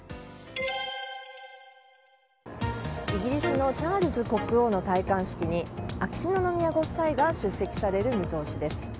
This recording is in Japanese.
イギリスのチャールズ国王の戴冠式に秋篠宮ご夫妻が出席される見通しです。